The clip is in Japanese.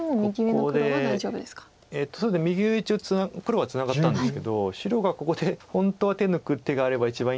そうですね右上一応黒はツナがったんですけど白がここで本当は手抜く手があれば一番いいんですけど。